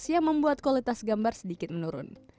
yang membuat kualitas gambar sedikit menurun